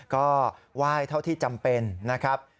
ก็ไหว้เท่าที่จำเป็นนะครับ